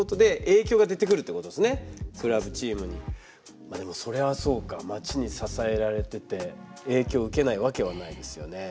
まあでもそれはそうか町に支えられてて影響を受けないわけはないですよね。